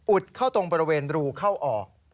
เข้าตรงบริเวณรูเข้าออก